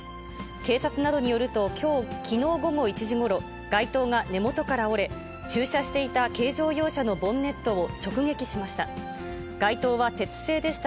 警察などによると、きのう午後１時ごろ、街灯が根元から折れ、駐車していた軽乗用車のボンネットを直撃しました。